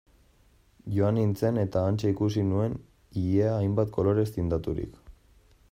Joan nintzen eta hantxe ikusi nuen ilea hainbat kolorez tindaturik...